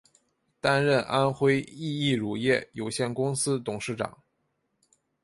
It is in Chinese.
担任安徽益益乳业有限公司董事长。